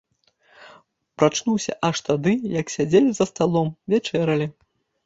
Прачнуўся аж тады, як сядзелі за сталом, вячэралі.